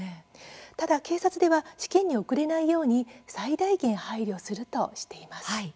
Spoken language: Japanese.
ただ、警察では試験に遅れないように最大限、配慮するとしています。